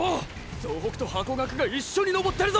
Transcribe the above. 総北とハコガクが一緒に登ってるぞ！！